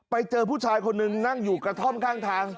ไปเจอผู้ชายคนหนึ่งนั่งอยู่กระท่อมข้างทาง